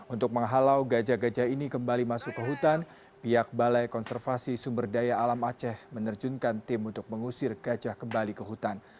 untuk menghalau gajah gajah ini kembali masuk ke hutan pihak balai konservasi sumber daya alam aceh menerjunkan tim untuk mengusir gajah kembali ke hutan